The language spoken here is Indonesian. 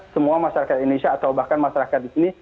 semua masyarakat indonesia atau bahkan masyarakat di sini